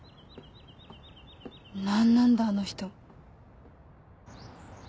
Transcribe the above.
何なんだあの人。